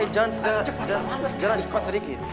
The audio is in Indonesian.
jalan cepat sedikit